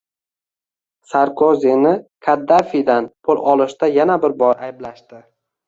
Sarkozini Kaddafidan pul olishda yana bir bor ayblashdi